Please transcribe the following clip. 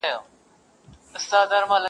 ګړندي مي دي ګامونه، زه سرلارې د کاروان یم -